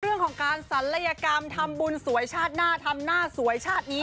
เรื่องของการศัลยกรรมทำบุญสวยชาติหน้าทำหน้าสวยชาตินี้